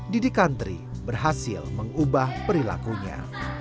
didikantri berhasil mengubah perilakunya